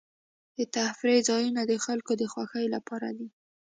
د تفریح ځایونه د خلکو د خوښۍ لپاره دي.